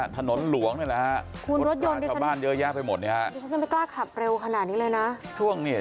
ถนนหลวงนี่แหละฮะชาวบ้านเยอะแยะไปหมดเนี่ยฮะดิฉันยังไม่กล้าขับเร็วขนาดนี้เลยนะ